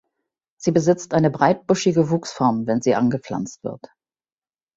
Sie besitzt eine breit buschige Wuchsform wenn sie angepflanzt wird.